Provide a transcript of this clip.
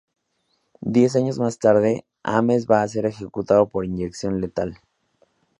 Diez años más tarde, Ames va a ser ejecutado por inyección letal.